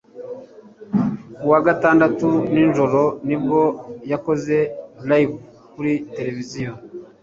Kuwa gatandatu nijoro nibwo yakoze Live kuri television